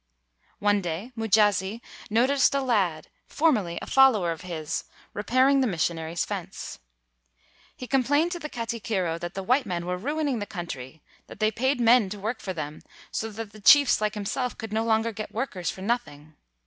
One day Mujasi noticed a lad, formerly a follower of his, repairing the missionaries ' fence. He complained to the katikiro that the white men were ruining the country, that they paid men to work for them, so that the chiefs like himself could no longer get workers for nothing.